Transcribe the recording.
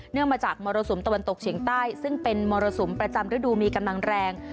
มาจากมรสุมตะวันตกเฉียงใต้ซึ่งเป็นมรสุมประจำฤดูมีกำลังแรง